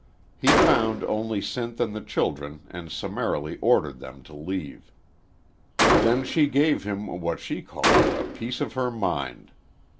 He found only Sinth and the children and summarily ordered them to leave. Then she gave him what she called "a piece of her mind."